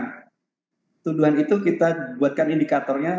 kemudian kita buatkan indikatornya